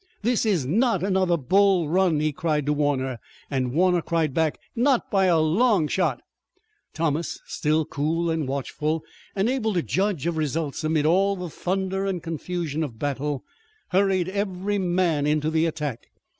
"This is not another Bull Run!" he cried to Warner, and Warner cried back: "Not by a long shot!" Thomas, still cool, watchful, and able to judge of results amid all the thunder and confusion of battle, hurried every man into the attack.